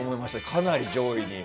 かなり上位に。